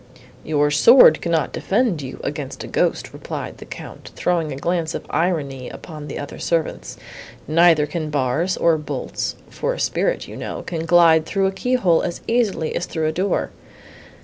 "Your sword cannot defend you against a ghost," replied the Count, throwing a glance of irony upon the other servants, "neither can bars, nor bolts; for a spirit, you know, can glide through a keyhole as easily as through a door."